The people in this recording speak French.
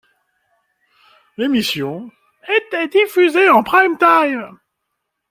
L'émission était diffusée en prime-time.